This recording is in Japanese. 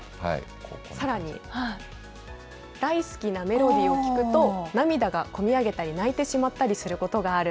さらに、大好きなメロディーを聴くと涙が込み上げたり泣いてしまったりすることがある。